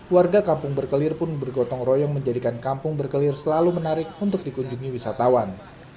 warga kampung berkelir pun bergotong royong menjadikan kampung berkelir selalu menarik untuk dikunjungi wisatawan